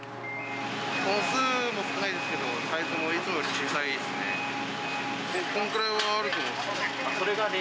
本数も少ないですけど、サイズもいつもより小さいですね。